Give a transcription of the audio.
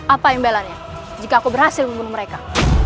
apa imbelannya jika aku berhasil membunuh mereka